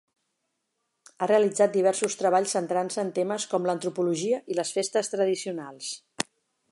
Ha realitzat diversos treballs centrant-se en temes com l'antropologia i les festes tradicionals.